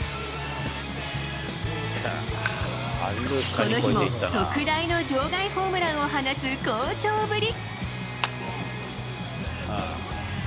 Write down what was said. この日も特大の場外ホームランを放つ好調ぶり。